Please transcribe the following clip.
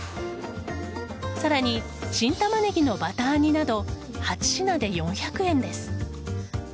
さらに新タマネギのバター煮など８品で４００円です。